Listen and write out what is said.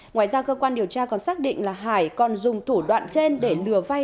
ngoài ra cơ quan điều tra còn xác định là hải còn dùng thủ đoạn trên để lừa vay